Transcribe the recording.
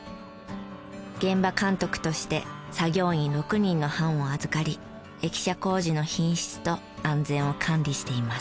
現場監督として作業員６人の班を預かり駅舎工事の品質と安全を管理しています。